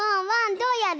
どうやるの？